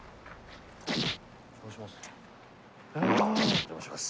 お邪魔します。